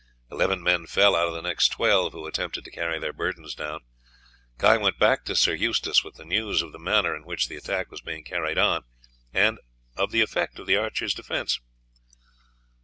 Eleven men fell, out of the next twelve who attempted to carry their burdens down. Guy went back to Sir Eustace with the news of the manner in which the attack was being carried on, and of the effect of the archers' defence.